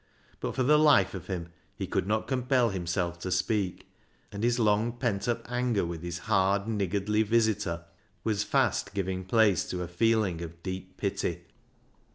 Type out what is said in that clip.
But for the life of him he could not compel himself to speak, and his long pent up anger with his hard, niggardly visitor was fast giving place to a feeling of deep pity.